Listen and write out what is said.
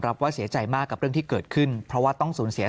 ว่าเสียใจมากกับเรื่องที่เกิดขึ้นเพราะว่าต้องสูญเสีย